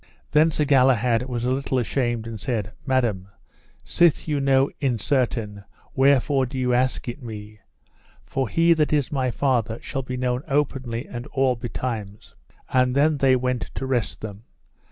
Then Sir Galahad was a little ashamed and said: Madam, sith ye know in certain, wherefore do ye ask it me? for he that is my father shall be known openly and all betimes. And then they went to rest them.